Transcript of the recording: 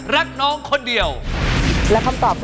รักน้องคนเดียวครับ